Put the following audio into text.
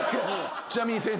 ちなみに。